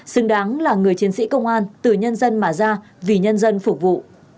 xứng đáng là người chiến sĩ công an từ nhân dân mà ra vì nhân dân phục vụ